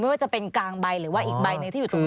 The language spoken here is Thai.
ว่าจะเป็นกลางใบหรือว่าอีกใบหนึ่งที่อยู่ตรงนั้น